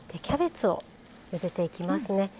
キャベツをゆでていきますね。